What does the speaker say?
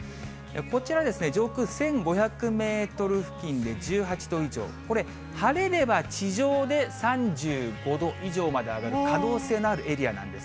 こちら、上空１５００メートル付近で１８度以上、これ、晴れれば地上で３５度以上まで上がる可能性のあるエリアなんです。